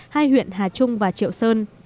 hai huyện hà trung và triệu sơn